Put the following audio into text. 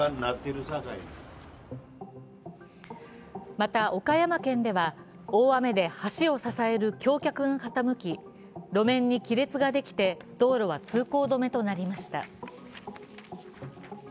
また、岡山県では大雨で橋を支える橋脚が傾き路面に亀裂ができて道路は通行止めとなりました。